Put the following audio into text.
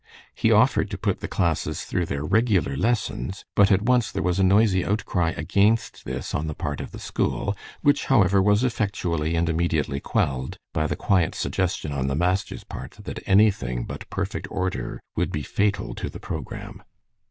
He offered to put the classes through their regular lessons, but at once there was a noisy outcry against this on the part of the school, which, however, was effectually and immediately quelled by the quiet suggestion on the master's part that anything but perfect order would be fatal to the programme.